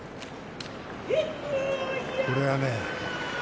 これはね